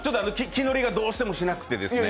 気乗りがどうしてもしなくてですね。